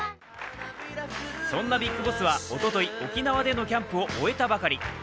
そんなビッグボスは、おととい沖縄でのキャンプを終えたばかり。